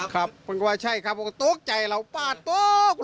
ครับผมว่าใช่ครับก็โต๊ะใจเดี๋ยวป้าดโต๊ะ